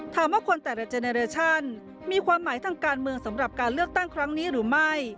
ถามว่าคนแต่ละเจเนเรชั่นมีความหมายทางการเมืองสำหรับการเลือกตั้งครั้งนี้หรือไม่